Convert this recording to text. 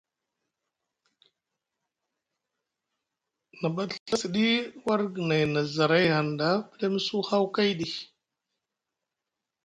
Na ɓa te Ɵa siɗi warɗi guinay na zaray hanɗa pɗemsu haw kayɗi.